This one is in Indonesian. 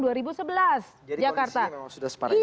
jadi kondisi memang sudah seperti itu